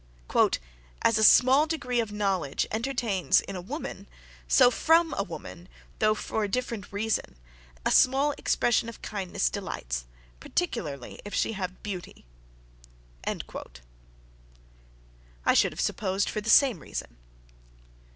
"As a small degree of knowledge entertains in a woman, so from a woman, though for a different reason, a small expression of kindness delights, particularly if she have beauty!" I should have supposed for the same reason.